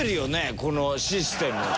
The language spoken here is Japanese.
このシステム。